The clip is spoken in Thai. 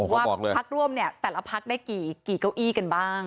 ว่าพักร่วมเนี่ยแต่ละพักได้กี่เก้าอี้กันบ้าง